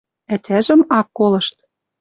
Ӓтяжӹм ак колышт